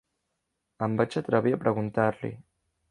Em vaig atrevir a preguntar-li.